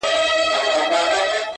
که سړی ورخ د اوښکو وتړي هم-